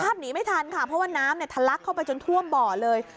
คาบหนีไม่ทันค่ะเพราะว่าน้ำทะลักเข้าไปจนท่วมเบาะเลย